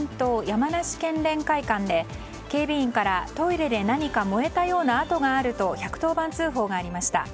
山梨県連会館で警備員からトイレで何か燃えたような跡があると１１０番通報がありました。